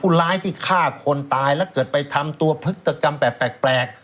ร้ายที่ฆ่าคนตายแล้วเกิดไปทำตัวพฤติกรรมแปลก